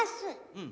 うん。